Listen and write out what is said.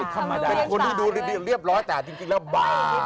เป็นคนที่ดูเรียบร้อยแต่จริงแล้วบ้า